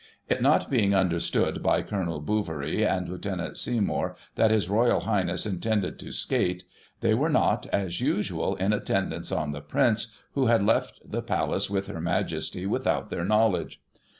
It not being understood by Col. Bouverie and Lieut. Seymour that His Royal Highness intended to skate, they were not, as usual, in attendance on the Prince, who had left the Palace, with Her Majesty, without their knowledge.